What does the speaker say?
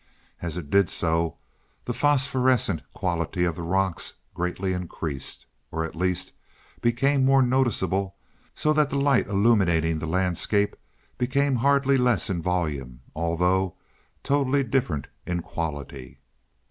As it did so, the phosphorescent quality of the rocks greatly increased, or at least became more noticeable, so that the light illuminating the landscape became hardly less in volume, although totally different in quality.